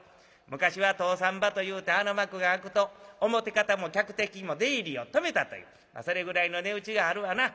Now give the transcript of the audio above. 昔は『通さん場』というてあの幕が開くと表方も客席も出入りを止めたというそれぐらいの値打ちがあるわな。